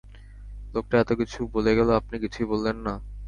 লোকটা এত কিছু বলে গেল আপনি কিছুই বললেন না!